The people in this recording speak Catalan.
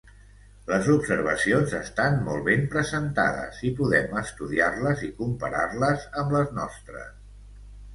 Les observacions estan molt ben presentades i podem estudiar-les i comparar-les amb les nostres.